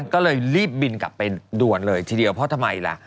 ก็เลยรีบบินกลับไปด่วนเลยทีเดียวเพราะทำไมล่ะ